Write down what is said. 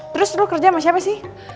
terus lu kerja sama siapa sih